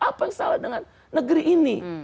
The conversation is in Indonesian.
apa yang salah dengan negeri ini